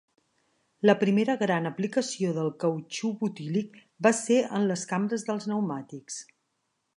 La primera gran aplicació del cautxú butílic va ser en les cambres dels pneumàtics.